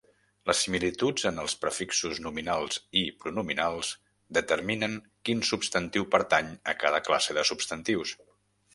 Les similituds en els prefixos nominals i pronominals determinen quin substantiu pertany a cada classe de substantius.